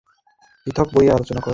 তিনি একটি পৃথক বইয়ে আলোচনা করেন।